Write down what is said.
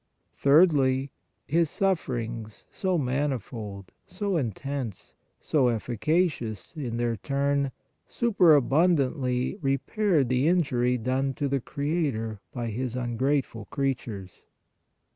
Thirdly, His sufferings, so manifold, so intense, so efficacious, in their turn, superabundantly repaired the injury done to the Creator by His ungrateful creatures.